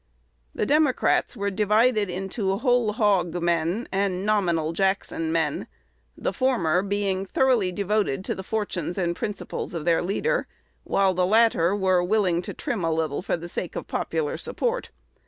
The Democrats were divided into "whole hog men" and "nominal Jackson men;" the former being thoroughly devoted to the fortunes and principles of their leader, while the latter were willing to trim a little for the sake of popular support.